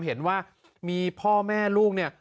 เห็นว่ามีพ่อแม่ลูกเนี่ย